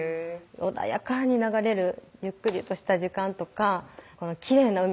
穏やかに流れるゆっくりとした時間とかきれいな海